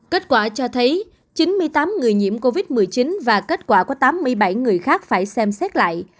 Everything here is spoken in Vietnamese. kết quả cho thấy chín mươi tám người nhiễm covid một mươi chín và kết quả có tám mươi bảy người khác phải xem xét lại